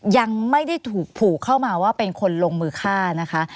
ยังไม่ได้ถูกผูกเข้ามาว่าเป็นคนลงมือฆ่านะคะ